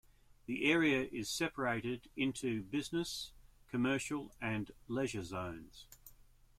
The area is separated into business, commercial and leisure zones.